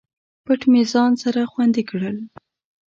پټ مې ځان سره خوندي کړل